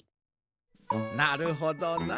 なるほどな。